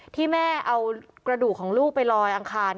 ที่แม่เอากระดูกของลูกไปลอยอังคาร